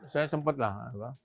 saya sempat lah